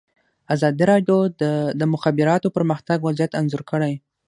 ازادي راډیو د د مخابراتو پرمختګ وضعیت انځور کړی.